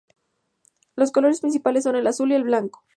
Los colores principales son el azul y el blanco.